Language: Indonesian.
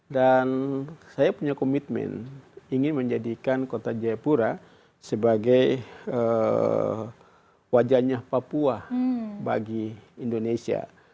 dan saya punya komitmen ingin menjadikan kota jayapura sebagai wajahnya papua bagi indonesia